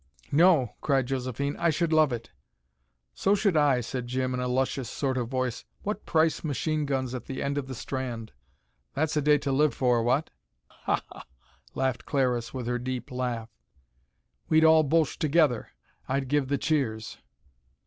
"No!" cried Josephine. "I should love it." "So should I," said Jim, in a luscious sort of voice. "What price machine guns at the end of the Strand! That's a day to live for, what?" "Ha! Ha!" laughed Clariss, with her deep laugh. "We'd all Bolsh together. I'd give the cheers."